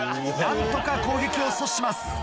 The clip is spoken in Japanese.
何とか攻撃を阻止します。